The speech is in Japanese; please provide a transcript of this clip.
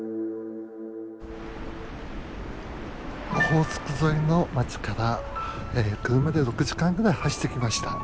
オホーツク沿いの町からえ車で６時間ぐらい走ってきました。